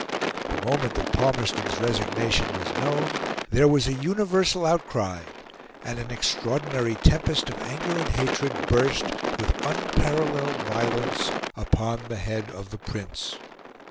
The moment that Palmerston's resignation was known, there was a universal outcry and an extraordinary tempest of anger and hatred burst, with unparalleled violence, upon the head of the Prince.